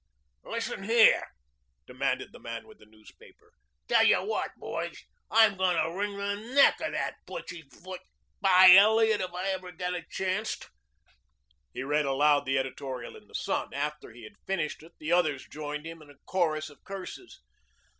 "Listen here," demanded the man with the newspaper. "Tell you what, boys, I'm going to wring the neck of that pussyfooting spy Elliot if I ever get a chanct." He read aloud the editorial in the "Sun." After he had finished, the others joined him in a chorus of curses.